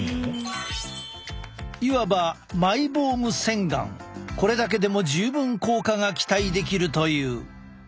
いわばこれだけでも十分効果が期待できるという。